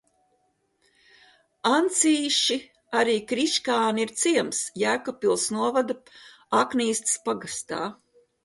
Ancīši, arī Kriškāni ir ciems Jēkabpils novada Aknīstes pagastā.